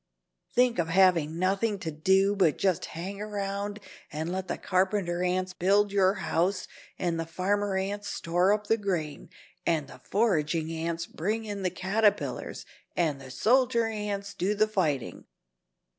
Think of having nothing to do but just hang around and let the carpenter ants build your house and the farmer ants store up the grain and the foraging ants bring in the caterpillars and the soldier ants do the fighting."